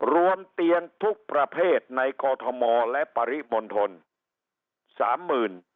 รวมเตียงทุกประเภทในกรทมและปริบนธรรม